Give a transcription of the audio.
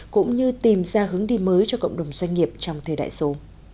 cũng như tìm ra hướng đi mới cho cộng đồng doanh nghiệp trong thời đại số